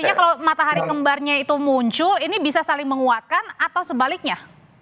artinya kalau matahari kembarnya itu muncul ini bisa saling menguatkan atau sebaliknya